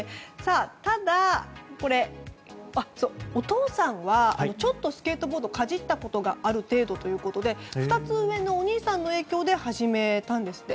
ただ、お父さんはちょっとスケートボードをかじったことがある程度ということで２つ上のお兄さんの影響で始めたんですって。